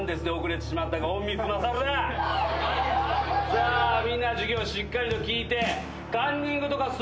さあみんな授業しっかりと聞いて。